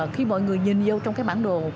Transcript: khi mọi người nhìn vô trong cái bản đồ